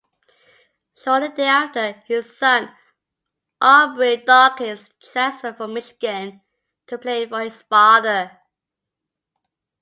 Shortly thereafter, his son, Aubrey Dawkins, transferred from Michigan to play for his father.